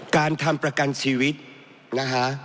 การทำประกันชีวิตนะคะ